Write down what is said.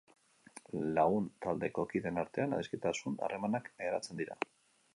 Lagun taldeko kideen artean adiskidetasun harremanak eratzen dira.